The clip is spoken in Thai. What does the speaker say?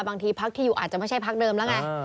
บางทีพักที่อยู่อาจจะไม่ใช่พักเดิมแล้วไง